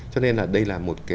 cho nên là đây là một khó khăn